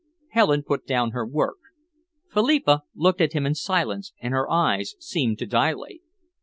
Helen put down her work. Philippa looked at him in silence, and her eyes seemed to dilate.